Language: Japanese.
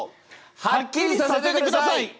はっきりさせてください！